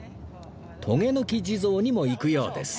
とげぬき地蔵にも行くようです